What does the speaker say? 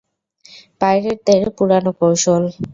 পাইরেটদের পুরানো কৌশল।